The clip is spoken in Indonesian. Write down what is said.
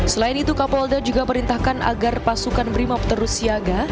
selain itu kapolda juga perintahkan agar pasukan brimop terus siaga